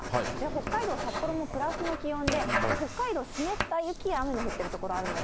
北海道札幌もプラスの気温で、北海道、湿った雪や雨の降っている所があるので。